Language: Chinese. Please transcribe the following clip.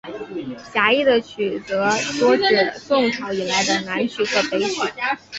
狭义的曲则多指宋朝以来的南曲和北曲。